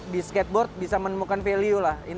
di skateboard bisa menemukan value lah